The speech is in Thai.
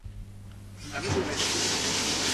ฉันไม่มีอะไรจะพูดอีกแล้ว